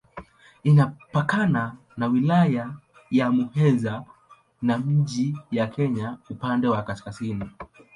Inapakana na Wilaya ya Muheza na nchi ya Kenya upande wa kaskazini.